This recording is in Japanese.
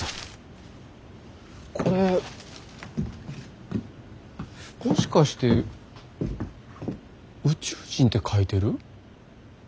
これもしかして「宇宙人」って書いてる？